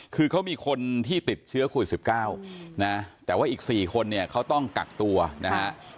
คือเขามีคนที่ติดเชื้อโควิด๑๙นะแต่ว่าอีก๔คนเนี่ยเขาต้องกักตัวนะฮะ